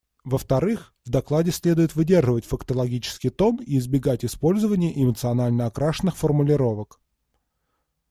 Во-вторых, в докладе следует выдерживать фактологический тон и избегать использования эмоционально окрашенных формулировок.